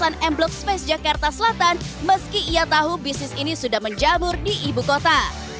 kawasan m block space jakarta selatan meski ia tahu bisnis ini sudah menjamur di ibu kota